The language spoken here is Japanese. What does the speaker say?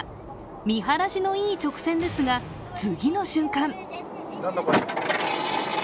見晴らしのいい直線ですが、次の瞬間